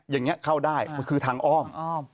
อย่างนี้เข้าได้มันคือทางอ้อม